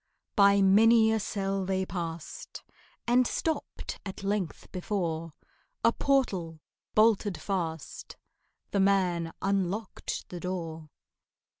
By many a cell they past, And stopped at length before A portal, bolted fast: The man unlocked the door.